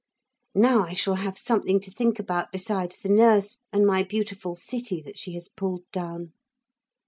'Now I shall have something to think about besides the nurse and my beautiful city that she has pulled down.'